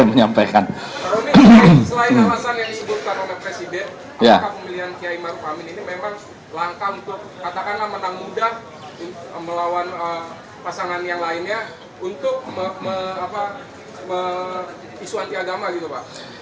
maka pemilihan km makruf amin ini memang langka untuk katakanlah menang mudah melawan pasangan yang lainnya untuk isu antiagama gitu pak